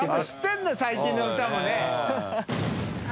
最近の歌もね。